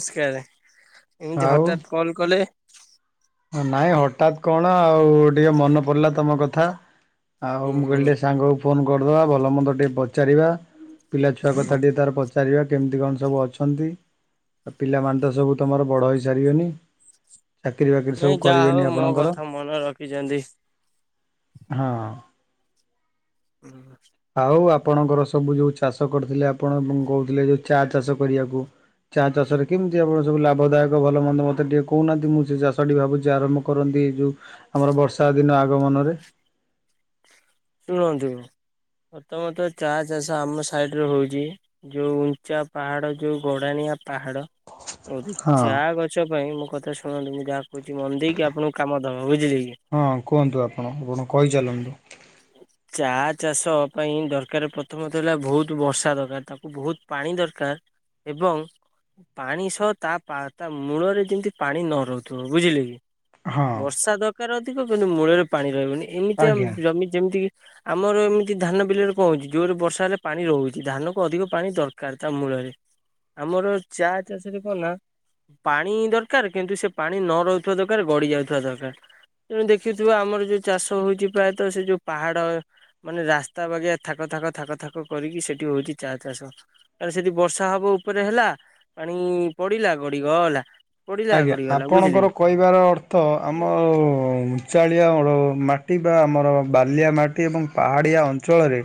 ନମସ୍କାର। ଏମିତି ଆଉ ହଠାତ୍ କଲ୍ କଲେ? ନାଇଁ ହଠାତ୍ କଣ ଆଉ, ଟିକେ ମନେ ପଡିଲା ତମ କଥା। ଆଉ ହୁଁ ମୁଁ କହିଲି ହୁଁ ଟିକେ ସାଙ୍ଗକୁ ଫୋନ କରିଦବା ଭଲ ମନ୍ଦ ଟିକେ ପଚାରିବା। ପିଲାଛୁଆ ହୁଁ କଥା ହୁଁ ଟିକେ ତାର ପଚା ସାରିବା କେମିତି କଣ ସବୁ ଅଛନ୍ତି ଆ ପିଲାମାନେ ତ ସବୁ ତମର ବଡ ହେଇସାରିବେନି। ଚାକିରି ବାକରି ନାଇଁ ଯାହା ହଉ ମୋ କଥା ମନେ ରଖିଛନ୍ତି। ହଁ। ହୁଁ। ଆଉ ଆପଣଙ୍କର ସବୁ ଯୋଉ ଚାଷ କରିଥିଲେ ଆପଣ କହୁଥିଲେ ଯୋଉ ଚା ଚାଷ କରିବାକୁ ଚାଷରେ କେମିତି ଆପଣ ସବୁ ଲାଭଦାୟକ ଭଲ ମନ୍ଦ ମତେ ଟିକେ କହୁନାହାନ୍ତି ମୁଁ ସେ ଚାଷ ଠ ଭାବୁଛି ଆରମ୍ଭ କରନ୍ତି ଏଇ ଯୋଉ ଆମର ବର୍ଷା ଦିନ ଆଗମନରେ ଶୁଣନ୍ତୁ ପ୍ରଥମତଃ ଚା ଚାଷ ଆମ ସାଇଡ଼ରେ ହେଉଛି ଯୋଉ ଉଞ୍ଚା ପାହାଡ ଯୋଉ ଗୋଡାଣିଆ ପାହାଡ ହଁ। ଚା ଗଛ ଗଚ ପାଇଁ ମୋ କଥା ଶୁଣନ୍ତୁ ମୁଁ ଯାହା କହୁଛି ମନ ଦେଇକି ଆପଣଙ୍କୁ କାମ ଦବ ବୁଝିଲେ କି ହଁ କୁହନ୍ତୁ ଆପଣ ଆପଣ କହି ଚାଲନ୍ତୁ। ଚା ଚାଷ ପାଇଁ ଦରକାର ପ୍ରଥମତଃ ହେଲା ବହୁତ ବର୍ଷା ଦରକାର ତାକୁ ବହୁତ ପାଣି ଦରକାର। ଏବଂ ପାଣି ସହ ତା ପା ତା ମୂଳରେ ଯେମିତି ପାଣି ନ ରହୁଥିବ ବୁଝିଲେ କି? ହଁ ବର୍ଷା ଦରକାର ଅଧିକ କିନ୍ତୁ ମୂଳରେ ପାଣି ରହିବନି ଏମିତି ଆମ ଆଜ୍ଞା। ଜମି ଯେମିତି କି ଆମର ଏମିତି ଧାନ ବିଲରେ କଣ ହଉଛି ଯୋଉଟ ବର୍ଷା ହେଲେ ପାଣି ରହୁଛି ଧାନ କ ଅଧିକ ପାଣି ଦରକାର ତା ମୂଳରେ ଆମର ଚା ଚାଷରେ କଣ ନା ପାଣି ଦରକାର କିନ୍ତୁ ସେ ପାଣି ନ ରହୁଥିବା ଦରକାର ଗଡି ଯାଉଥିବା ଦରକାର। ତେଣୁ ଦେଖୁଥିବ ଆମର ଯୋଉ ଚାଷ ହଉଛି ପ୍ରାୟତଃ ସେ ଯୋଉ ପାହାଡ଼ ମାନେ ରାସ୍ତା ବାଗିଆ ଥାକ ଥାକ ଥାକ ଥାକ କରିକି ସେଠି ହଉଛି ଚା ଚାଷ କାରଣ ସେଠି ବର୍ଷା ହବ ଉପରେ ହେଲା ପାଣି ପଡିଲା ଗଡିଗଲା। ପଡିଲା ଆଜ୍ଞା ଗଡିଗଲା ବୁଝିଲେ ଆପଣଙ୍କର କି କହିବାର ଅର୍ଥ ଆମ ଉଚାଳିଆ ମାଟି ବା ଆମର ବାଲିଆ ମାଟି ଏବଂ ପାହାଡ଼ିଆ ଅଞ୍ଚଳରେ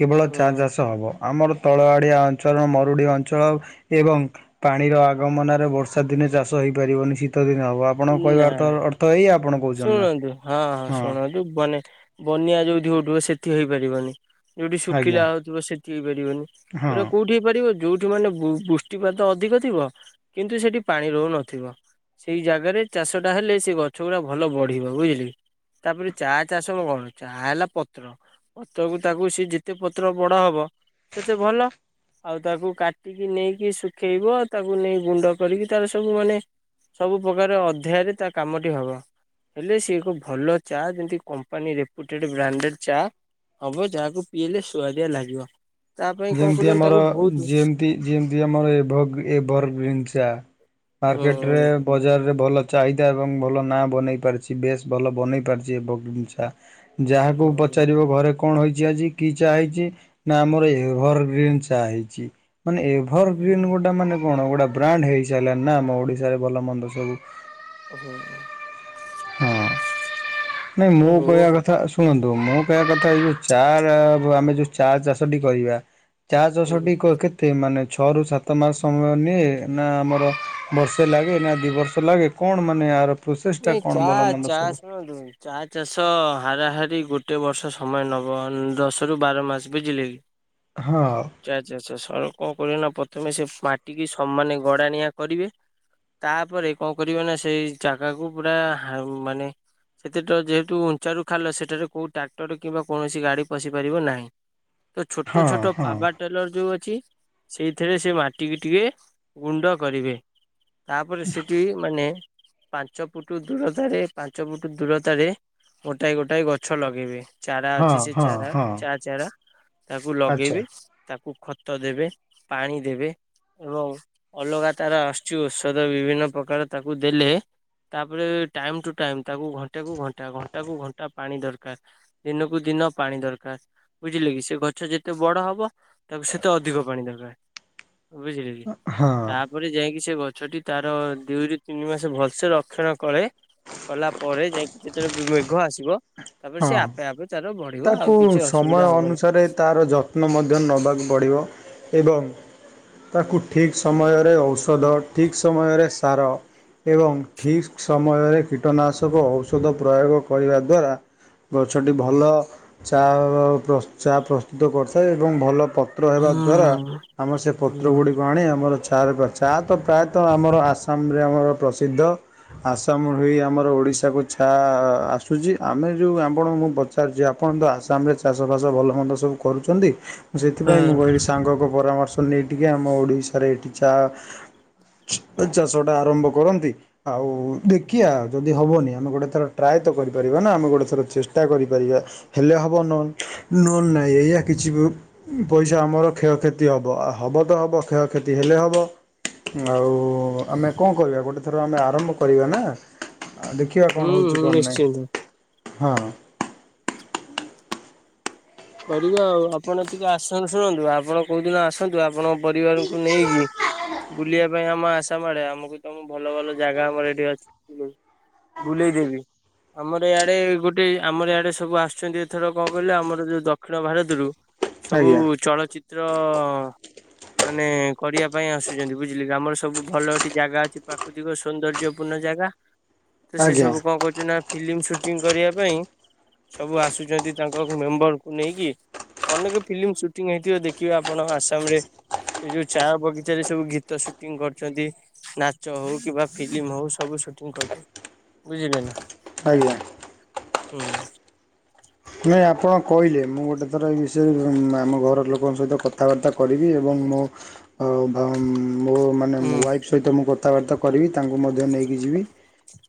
କେବଳ ହଁ ଚା ଚାଷ ହେବ ଆମର ତଳଆଡ଼ିଆ ଅଞ୍ଚଳ ମରୁଡ଼ି ଅଞ୍ଚଳ ଏବଂ ପାଣିର ଆଗମନରେ ବର୍ଷା ଦିନେ ଚାଷ ହେଇପାରିବନି ଶୀତ ଦିନ ହେବ ଆପଣଙ୍କ କହିବାର ତ ନାଇଁ। ଅର୍ଥ ଏଇ ଆପଣ କହୁଛନ୍ତି ନା ହଁ। ମାନେ ବନ୍ୟା ଯୋଉଠି ଉଠିବ ସେଠି ହେଇପାରିବନି। ଯୋଉଠି ଆଜ୍ଞା ଶୁଖିଲା ହଉଥିବ ସେଠି ହେଇପାରିବନି ହଁ। ଏଇଟା କୋଉଠି ଯୋଉଠି ମାନେ ବୃଷ୍ଟିପାତ ଅଧିକ ଥିବ କିନ୍ତୁ ସେଠି ପାଣି ରହୁନଥିବ ସେଇ ଜାଗା ଆଗରେ ଚାଷ ଟା ହେଲେ ସେ ଗଛ ଗୁଡା ଭଲ ବଢିବ ବୁଝିଲି। ତାପରେ ଚା ଚାଷ କ କଣ ଚା ହେଲା ପତ୍ର ପତ୍ରକୁ ତାକୁ ସେ ଯେତେ ପତ୍ର ବଡ ହବ ସେତେ ଭଲ। ଆଉ ତାକୁ କାଟିକି ନେଇକି ଶୁଖେଇବ ତାକୁ ନେଇ ଗୁଣ୍ଡ କରିକି ତାର ସବୁ ମାନେ ସବୁ ପ୍ରକାର ଅଧ୍ୟାୟରେ ତା କାମଟି ହବ। ହେଲେ ସିଏ ଏକ ଭଲ ଚା ଯେମିତି କମ୍ପାନୀ ରେପୁଟେଡ଼୍ ବ୍ରାଣ୍ଡେଡ଼୍ ଚା। ହବ ଯାହାକୁ ପିଇଲେ ସୁଆଦିଆ ଲାଗିବ। ତା ପାଇଁ କଣ ଯେମିତି କରିବ ଆମର ତାକୁ ବହୁତ ଯେମତି ଯେମିତି ଆମର ଏଭ-ଏଭର୍ ଗ୍ରୀନ ଚା। ମାର୍କେଟ ରେ ହୁଁ ବଜାରରେ ଭଲ ଚାହିଦା ଏବଂ ଭଲ ନାଁ ବନେଇ ପାରିଛି ବେଶ୍ ଭଲ ବନେଇ ପାରିଛି ଏ ବଗିଚା। ଯାହାକୁ ହୁଁ ପଚାରିବ ଘରେ କଣ ହେଇଛି ଆଜି କି ଚାହା ହେଇଛି ନା ଆମର ଏ ଏଭର ଗ୍ରୀନ୍ ହେଇଛି ମାନେ ଏଭର ଗ୍ରୀନ୍ ଗୁଟେ ମାନେ କଣ ଗୁଟା ବ୍ରାଣ୍ଡ ହେଇସାରିଲା ନା ଆମ ଓଡିଶାରେ ଭଲ ମନ୍ଦ ସବୁ। ହୁଁଁ। ହଁ ନାଇଁ ମୁଁ ହଉ କହିବା କଥା ସ ଶୁଣନ୍ତୁ ମୋ କହିବା କଥା ଏଇ ଯେଉଁ ଚା ଆମେ ଯେଉଁ ଚା ଚାଷଟି କରିବା ଚା ହୁଁ ଚାଷଟି କ କେ ଏତେ ମାନେ ଛଅରୁ ସାତ ମାସ ସମୟ ନିଏ ନା ଆମର ବର୍ଷେ ଲାଗେ ନା ଦୁଇ ବର୍ଷ ଲାଗେ କଣ ମାନେ ଏହାର ପ୍ରୋସେସ୍ଟା ନାଇଁ ଚା କଣ ଭଲ ଚା ମନ୍ଦ ସବୁ? ଶୁଣନ୍ତୁ ଚା ଚାଷ ହାରାହାରି ଗୋଟେ ବର୍ଷ ସମୟ ନେବ ଦଶରୁ ବାର ମାସ ବୁଝିଲେ କି। ହଁ। ଚା ଚାଷ ସ କଣ କରିବେନା ପ୍ରଥମେ ସେ ମାଟିକି ସମାନ ଗୁଡ଼ାନିଆ କରିବେ। ତାପରେ କଣ କରିବ ନା ସେଇ ଜାଗାକୁ ପୁରା ହା ମାନେ ସେତେତ ଯେହେତୁ ଉଞ୍ଚାରୁ ଖାଲ ସେଠାରେ କଉଁ ଟ୍ରାକ୍ଟର କିମ୍ବା କୌଣସି ଗାଡ଼ି ପଶିପାରିବ ନାହିଁ। ତ ଛୋଟ ହଁ ଛୋଟ ହଁ ପାବାଟ ଟେଲର୍ ଯୋଉ ଅଛି ସେଇଥିରେ ସେ ମାଟିିକି ଟିକେ ଗୁଣ୍ଡ କରିବେ। ତାପରେ ସେଠି ମାନେ ପାଞ୍ଚ ଫୁଟ ଦୂରତାରେ ପାଞ୍ଚ ଫୁଟ ଦୂରତାରେ ଗୋଟାଏ ଗୋଟାଏ ଗଛ ଲଗେଇବେ। ଚାରା ହଁ ଅଛି ସେ ହଁ ଚାରା ହଁ ଚା ଚାରା ତାକୁ ଆଚ୍ଛା ଲଗେଇବେ। ତାକୁ ଖତ ଦେବେ ପାଣି ଦେବେ। ଏବଂ ଅଲଗା ତାର ଆସୁଛି ଔଷଧ ବିଭିନ୍ନ ପ୍ରକାର ତାକୁ ଦେଲେ। ତାପରେ ଟାଇମ୍ ଟୁ ଟାଇମ୍ ତାକୁ ଘଣ୍ଟା କୁ ଘଣ୍ଟା ଘଣ୍ଟା କୁ ଘଣ୍ଟା ପାଣି ଦରକାର। ଦିନକୁ ଦିନ ପାଣି ଦରକାର। ବୁଝିଲକି ସେ ଗଛ ଯେତେ ବଡ଼ ହବ ତାକୁ ସେତେ ଅଧିକ ପାଣି ଦରକାର। ବୁଝିଲେ କି ହଁ ତାପରେ ଯାଇକି ସେ ଗଛଟି ତାର ଦୁଇରୁ ତିନି ମାସ ଭଲ ସେ ରକ୍ଷଣ କଲେ କଲା ପରେ ଯାଇକି ଯେତେବେଳେ ମେଘ ଆସିବ ତାପରେ ହଁ ସେ ଆପେ ଆପେ ତାର ବଢି ତାକୁ ସମୟ ଅନୁସାରେ ତାର ଯତ୍ନ ମଧ୍ୟ ନେବାକୁ ପଡ଼ିବ ଏବଂ ତାକୁ ଠିକ୍ ସମୟରେ ଔଷଧ ଠିକ୍ ସମୟରେ ସାର ଏବଂ ଠିକ୍ ସମୟରେ କୀଟନାଶକ ଔଷଧ ପ୍ରୟୋଗ କରିବା ଦ୍ୱାରା ଗଛଟି ଭଲ ଚା ପ୍ର ଚା ପ୍ରସ୍ତୁତ କରିଥାଏ ଏବଂ ଭଲ ପତ୍ର ହେବା ଦ୍ଵାରା ହୁଁ ଆମର ସେ ହୁଁ। ପତ୍ର ଗୁଡ଼କୁ ଆଣି ଆମର ଚା ର ଚା ତ ପ୍ରାୟତଃ ଆମର ଆସାମରେ ଆମର ପ୍ରସିଦ୍ଧ। ଆସାମରୁ ହିଁ ଆମର ଓଡିଶାକୁୁ ଚା ଆସୁଛି ଆମେ ଯୋଉ ଆପଣ ମୁଁ ପଚାରୁଚି ଆପଣତ ଆସାମରେ ଚାଷ ବାସ ଭଲ ମନ୍ଦ ସବୁ କରୁଛନ୍ତି ମୁଁ ସେଥିପାଇଁ ହଁ। ମୁଁ କିହିଲି ସାଙ୍ଗଙ୍କ ପରାମର୍ଶ ନେଇ ଟିକିଏ ଆମ ଓଡ଼ିଶାରେ ଏଠି ଚା ଚାଷ ଟା ଆରମ୍ଭ କରନ୍ତି ଆଉ ଦେଖିିବା ଯଦି ହବନି ଆମେ ଗୋଟେ ତର ଟ୍ରାଏତ କରିପାରିବା ନା ଆମେ ଗୋଟେ ଥର ଚେଷ୍ଟା କରିପାରିବା ହେଲେ ହେବ ନହେଲେ ନାହିଁ ଏଇଆ କିଛି ବି ପଇସା ଆମର କ୍ଷୟକ୍ଷତି ହବ ହବ ତ ହବ କ୍ଷୟକ୍ଷତି ହେଲେ ହବ ଆଉ ଆମେ କଣ କରିବା ଗୋଟେ ଥର ଆମେ ଆରମ୍ଭ କରିବା ନା ଦେଖି ଦେଖିବା ହୁଁ କଣ ହେଉଛି ହୁଁ କଣ ନିଶ୍ଚିନ୍ତ। ନାହିଁ ହଁ। କରିବା ଆଉ ଆପଣ ଟିକେ ଆସ ଶୁଣନ୍ତୁ, ଆପଣ କେଉଁଦିନ ଆସନ୍ତୁ ଆପଣଙ୍କ ପରିବାରକୁ ନେଇକି। ବୁଲିବା ପାଇଁ ଆମ ଆଶାମା ଆଡ଼େ, ଆମକୁ ତମ ଭଲ ଭଲ ଜାଗା ଆମର ଏଠି ଅଛି ବୁଲେଇବୁ। ବୁଲେଇ ଦେବି। ଆମର ଇଆଡ଼େ ଗୋଟେ, ଆମର ଆଡ଼େ ସବୁ ଆସୁଛନ୍ତି ଏଥର କଣ କହିଲେ ଆମର ଯୋଉ ଦ କ୍ଷିଣ ଭାରତରୁ ସବୁ ଆଜ୍ଞା ଚଳଚିତ୍ର ମାନେ କରିବା ପାଇଁ ଆସୁଛନ୍ତି ବୁଝିଲେ କି, ଆମର ସବୁ ଭଲ ଏଠି ଜାଗା ଅଛି ପାକ୍ରୁ ତିକ ସୌନ୍ଦର୍ଯ୍ୟପୂର୍ଣ୍ଣ ଜାଗା ତସେ ଆଜ୍ଞା ସବୁ କ କରୁଚୁ ନା ଫିଲ୍ମ ସୁଟିଂ କରିବା ପାଇଁ ସବୁ ଆସୁଛନ୍ତି ତାଙ୍କ ମେମ୍ବର କୁ ନେଇକି ଅନେକ ଫିଲ୍ମ ସୁଟିଂ ହେଇଥିବ ଦେଖିବେ ଆପଣ ଆସାମରେ। ସେ ଯୋଉ ଚା ବଗିଚାରେ ସବୁ ଗୀତ ସୁଟିଂ କରୁଛନ୍ତି। ନାଚ ହଉ କିମ୍ବା ଫିଲ୍ମ ହଉ ସବୁ ସୁଟିଂ କରିଚନ୍ତି ବୁଝିଲେ ନା। ଆଜ୍ଞା। ହୁଁ। ନାହିଁ ଆପଣ କହିଲେ, ମୁଁ ଗୋଟେ ଥର ଏ ବିଷୟରେ ଆମ ଘର ଲୋକଙ୍କ ସହିତ କଥାବାର୍ତ୍ତା କରିବି ଏବଂ ମୋ ଏ ଭଂ। ମୋ ମାନେ ହୁଁ ମୋ ୱାଇଫ୍ ସହିତ ମୁଁ କଥାବାର୍ତ୍ତା କରିବି ତାଙ୍କୁ ମଧ୍ୟ ନେଇକି ଯିବି।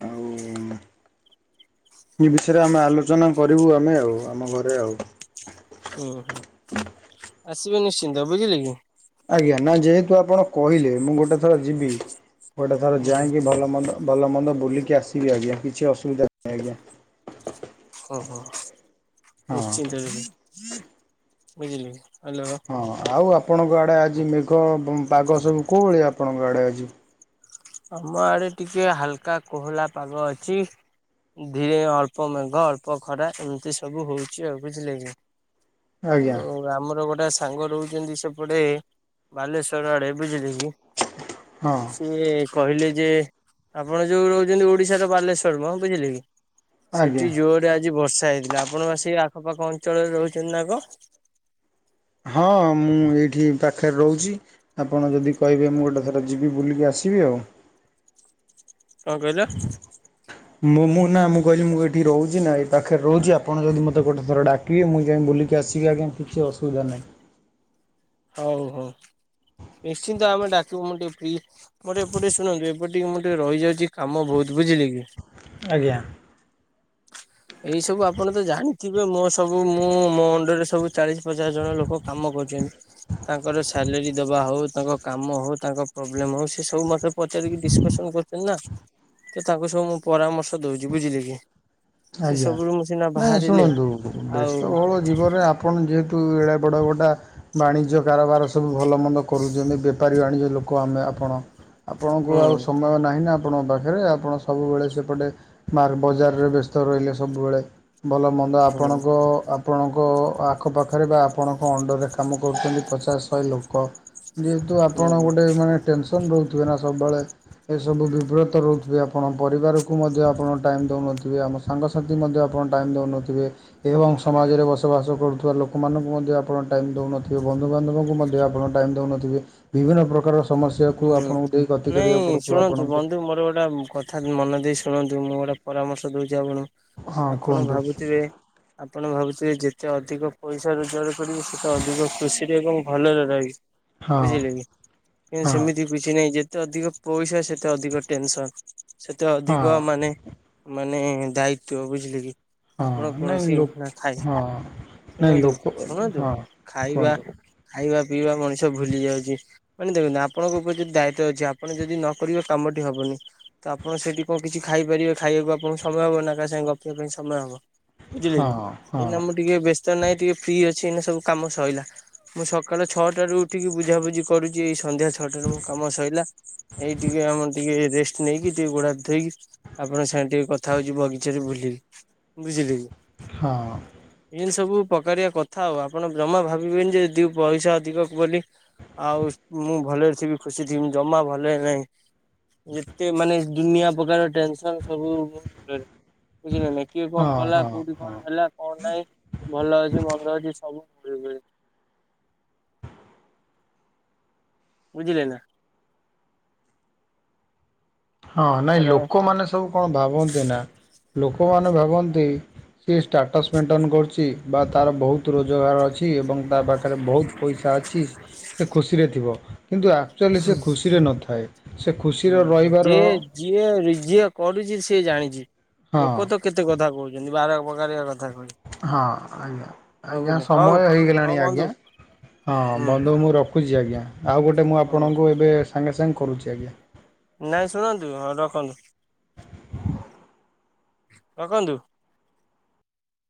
ଆଉ ଏ ବିଷୟରେ ଆମେ ଆଲୋଚନା କରିବୁ ଆମେ ଆଉ ଆମ ଘରେ ଆଉ। ହୁଁ ହୁଁ ଆସିବେ ନିଶ୍ଚିନ୍ତ ବୁଝିଲେ କି। ଆଜ୍ଞା ନା ଯେହେତୁ ଆପଣ କହିଲେ ମୁଁ ଗୋଟେ ଥର ଯିବି ଗୋଟେ ଥର ହୁଁ ଯାଇକି ଭଲ ମନ୍ଦ ଭଲ ମନ୍ଦ ବୁଲିକି ଆସିବି ଆଜ୍ଞା କିଛି ଅସୁବିଧା ନାହିଁ ଆଜ୍ଞା। ଓହୋ ହଁ। ନିଶ୍ଚିନ୍ତ ର ବୁଝିଲେ କି ହ୍ୟାଲୋ। ହଁ ଆଉ ଆପଣଙ୍କ ଆଡ଼େ ଆଜି ମେଘ ପ ପାଗ ସବୁ କୋଉଭଳିଆ ଆପଣଙ୍କ ଆଡ଼େ ଆଜି। ଆମ ଆଡେ ଟିକେ ହାଲକା କୋହଳା ପାଗ ଅଛି। ଧୀରେ ଅଳ୍ପ ମେଘ ଅଳ୍ପ ଖରା ଏମିତି ସବୁ ହଉଛି ଆଉ ବୁଝୀଲେ କି। ଆଜ୍ଞା ଆଉ ଆମର ଗୋଟେ ସାଙ୍ଗ ରହୁଛନ୍ତି ସେପଟେ। ବାଲେଶ୍ଵର ଆଡେ ବୁଝିଲେ କି ହଁ ସିଏ କହିଲେ ଯେ ଆପଣ ଯୋଉ ରହୁଛନ୍ତି ଓଡିଶାର ବାଲେଶ୍ଵର ମ ବୁଝିଲେ କି। ଆଜ୍ଞା। ସେଠି ଜୋରେ ଆଜି ବର୍ଷା ହେଇଥିଲା ଆପଣ ବା ସେ ଆଖପାଖ ଅଞ୍ଚଳରେ ରହୁଛନ୍ତି ନା କଣ। ହଁ ମୁଁ ଏଇଠି ପାଖରେ ରହୁଛି। ଆପଣ ଯଦି କହିବେ ମୁଁ ଗୋଟେ ଥର ଯିବି ବୁଲିକି ଆସିବି ଆଉ। କଣ କହିଲ? ମୁଁ ମୁଁ ନା ମୁଁ କହିଲି ମୁଁ ଏଇଠି ରହୁଛି ନା ଏଇ ପାଖରେ ରହୁଛି, ଆପଣ ଯଦି ମତେ ଗୋଟେ ଥର ଡା କିବେ ମୁଁ ଯାଇ ବୁଲିକି ଆସିବି ଆଜ୍ଞା କିଛି ଅସୁବିଧା ନାହିଁ। ହଉ ହଉ ନିଶ୍ଚିନ୍ତ ଆମେ ଡାକିବୁ ମୁଁ ଟିକେ ଫି ମୋର ଏପଟେ ଶୁଣନ୍ତୁ ଏପଟ ଟିକେ ମୁ ଟିକେ ରହିଯାଉଛି କାମ ବହୁତ ବୁଝିଲେ କି। ଆଜ୍ଞା। ଏଇ ସବୁ ଆପଣ ତ ଜାଣିଥିବେ ମୋ ସବୁ ମୁଁ ମୋ ଅଣ୍ଡରେ ସବୁ ଚାଳିଶ ପଚାଶ ଜଣ ଲୋକ କାମ କରୁଛନ୍ତି। ତାଙ୍କର ସାଲେରୀ ଦବା ହଉ ତାଙ୍କ କାମ ହଉ ତାଙ୍କ ପ୍ରୋବ୍ଲେମ୍ ହଉ ସେ ସବୁ ମୋତେ ପଚାରିକି ଡିସସ୍କସନ୍ କରୁ ଚନ୍ତି ନା ତ ତାଙ୍କୁ ସବୁ ମୁଁ ପରାମର୍ଶ ଦଉଛି ବୁଝିଲେ କି। ସେ ଆଜ୍ଞା ସବୁରୁ ମୁଁ ସିନା ନାଇଁ ବାହାରିଲେ ଶୁଣନ୍ତୁ ଆଉ ବେସ୍ତ ବହୁଳ ଜୀବନରେ ଆପଣ ଯେହେତୁ ଏଡ଼େ ବଡ଼ ଗୋଟା ବାଣିଜ୍ୟ କାରବାର ସବୁ ଭଲ ମନ୍ଦ କରୁଛନ୍ତି ବେ ବେପାରି ବାଣିଜ୍ୟ ଲୋକ ଆମେ ଆପଣ ଆପଣଙ୍କୁ ହୁଁ ଆଉ ସମୟ ନାହିଁ ନା। ଆପଣଙ୍କ ପାଖରେ ଆପଣ ସବୁବେଳେ ସେପଟେ ବଜାରରେ ବ୍ୟସ୍ ତ ରହିଲେ ସବୁବେଳେ ଭଲ ମନ୍ଦ ହୁଁ ଆପଣଙ୍କ ଆ ଆପଣଙ୍କ ଆଖପାଖରେ ବା ଆପଣଙ୍କ ଅଣ୍ଡରରେ କାମ କରୁଛନ୍ତି ପଚାଶ ଶହେ ଲୋକ। ଯେହେତୁ ଆପଣ ହୁଁ ଗୋଟେ ମାନେ ଟେନସନ ରହୁଥିବେ ନା ସବୁବେଳେ। ଏସବୁ ବିବ୍ରତ ରହୁଥିବେ ଆପଣ ପରିବାରକୁ ମଧ୍ୟ ଆପଣ ଟାଇମ ଦଉନଥିବେ ଆମ ସ ସାଙ୍ଗସାଥି ମଧ୍ୟ ଆପଣ ଟାଇମ୍ ଦେଉନଥିବେ। ଏବଂ ସମାଜରେ ବସବାସ କରୁଥିବା ଲୋକମାନଙ୍କୁ ମଧ୍ୟ ଆପଣ ଟାଇମ୍ ଦେଉନଥିବେ ବନ୍ଧୁବାନ୍ଧବଙ୍କୁ ମଧ୍ୟ ଆପଣ ଟାଇମ ଦଉନଥିବେ ବିଭିନ୍ନ ପ୍ରକାର ସମସ୍ୟାକୁ ହୁଁ। ଆପଣଙ୍କୁ ଦେଇ ଗତି ନାଇଁ କରିବାକୁ ପଡୁଥିବ ଶୁଣନ୍ତୁ ଆପଣଙ୍କୁ। ବନ୍ଧୁ ମୋର ଗୋଟା କଥାତ୍ ମନ ଦେଇ ଶୁଣନ୍ତୁ ମୁଁ ଗୋଟେ ପରାମର୍ଶ ଦୋଉଛି ଆପଣ ହଁ ଆପଣ କୁହନ୍ତୁ ଭାବୁଥିବେ ଆପଣ ଭାବୁଥିବେ ଯେତେ ଅଧିକ ପଇସା ରୋଜଗାର କରିବେ ସେତେ ଅଧିକ କୃଷୀ ସେ କ ଭଲରେ ରହି ହଁ ବୁଝିଲେ କି? ହଁ ସେମିତି କିଛି ନାହିଁ ଯେତେ ଅଧିକ ପଇସା ସେତେ ଅଧିକ ଟେନସନ। ସେତେ ଅଧିକ ହଁ ମାନେ ମାନେ ଦାୟିତ୍ଵ ବୁଝିଲେ କି। ହଁ ଆପଣ ନାଇଁ କୌଣସି ଲୋକ ନଥାଏ? ହଁ ନାଇଁ ଶୁଣନ୍ତୁ ଲୋକ ଶୁଣନ୍ତୁ ହଁ ଖାଇବା କୁହନ୍ତୁ ଖାଇବା ପିଇବା ମଣିଷ ଭୁଲି ଯାଉଛି। ଦେଖନ୍ତୁ ଆପଣଙ୍କ ଉପରେ ଯଦି ଦାୟିତ୍ୱ ଅଛି ଆପଣ ଯଦି ନ କରିବ କାମଟି ହବନି। ତ ଆପଣ ସେଠି କଣ କିଛି ଖାଇପାରିବେ ଖାଇବାକୁ ଆପଣଙ୍କୁ ସମୟ ହବ ନା କା ସାଙ୍ଗେ ଗପିବା ପାଇଁ ସମୟ ହବ। ବୁଝିଲେ ହଁ କି ହଁ ଏଇନା ଆମର ଟିକେ ବ୍ୟସ୍ତ ନାହିଁ ଟିକେ ଫ୍ରି ଅଛି ଏଇନା ସବୁ କାମ ସଇଲା। ମୁଁ ସକାଳୁ ଛଅଟାରୁ ଉଠିକି ବୁଝାବୁଝି କରୁଛି ଏଇ ସନ୍ଧ୍ୟା ଛଅଟାରେ ମୋ କାମ ସଇଲା। ଏଇ ଟିକେ ଆମ ଟିକେ ରେଷ୍ଟ ନେଇକି ଟିକେ ଗୋଡ ହାତ ଧୋଇକି ଆପଣ ସାଙ୍ଗ ଟିକେ କଥା ହଉଛି ବଗିଚାରେ ବୁଲିକି ବୁଝିଲେ କି? ହଁ। ଏ ସବୁ ପକାରିଆ କଥା ଆଉ ଆପଣ ଜମା ଭାବିବେନି ଯେଦି ପଇସା ଅଧିକ ବୋଲି ଆଉ ସୂ ମୁଁ ଭଲରେ ଥିମି ଖୁସି ଥିମୀ ଜମା ଭଲେ ନାହିଁ। ଯେତେ ମାନେ ଦୁନିଆ ପ୍ରକାର ଟେନସନ ସବୁ [inaudible] ବୁଝିଲ ନା ଇ କିଏ କଣ ହଁ କଲା ହଁ କୋଉଠି ହଁ କଣ ହେଲା କଣ ନାହିଁ ଭଲ ଅଛି ମନ୍ଦ ଅଛି ସବୁ ବେଳେ ବେଳେ। ବୁଝିଲେ ନା। ହଁ ନାଇଁ ହ୍ୟାଲୋ। ଲୋକମାନେ ସବୁ କଣ ଭାବନ୍ତି ନା ଲୋକମାନେ ଭାବନ୍ତି ସି ଷ୍ଟାଟସ୍ ମେଣ୍ଟେନ କରୁଛି ବା ତାର ବହୁତ ତ୍ ରୋଜଗାର ଅଛି ଏବଂ ତା ପାଖରେ ବହୁତ ପଇସା ଅଛି ସେ ଖୁସିରେ ଥିବ। କିନ୍ତୁ ଆକ୍ଚୁଆଲି ସେ ଖୁସିରେ ନଥାଏ ସେ ଖୁସିରେ ରହିବା ଯିଏ ଯିଏ ଯିଏ କରୁଛି ସିଏ ଜାଣିଛି ହଁ ଲୋକ ତ କେତେ କଥା କହୁଛନ୍ତି ବାର ପକାରିଆ କଥା କହୁଚ ନ୍ତି। ହଁ ଆଜ୍ଞା ଆଜ୍ଞା ହଉ ସମୟ ହଉ ହେଇଗଲାଣି ଆଜ୍ଞା ବନ୍ଧୁ ହଁ ହୁଁ ବନ୍ଧୁ ମୁଁ ରଖ ରଖୁଛି ଆଜ୍ଞା ଆଉ ଗୋଟେ ମୁଁ ହୁଁ ଆପଣଙ୍କୁ ଏବେ ସାଙ୍ଗେ ସାଙ୍ଗେ କରୁଛି ଆଜ୍ଞା। ନାଇଁ ଶୁଣନ୍ତୁ ହ ରଖନ୍ତୁ। ରଖନ୍ତୁ।